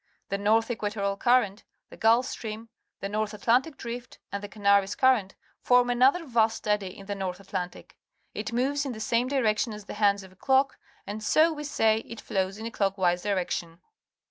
The North Equatorial Current, the Gulf Stream, the North Atlantic Drift, and the Canaries Current form another vast eddy in_ the North Atlantic. It moves in the same direction as the hands of a clock, and so we say it flows in a clockwise direction.